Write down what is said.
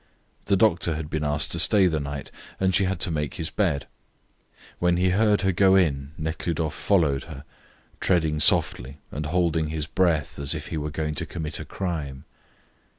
The doctor had been asked to stay the night, and she had to make his bed. When he heard her go in Nekhludoff followed her, treading softly and holding his breath as if he were going to commit a crime.